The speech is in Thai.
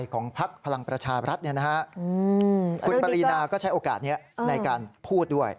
คุณปรีนาก็ใช้โอกาสนี้ในการพูดด้วย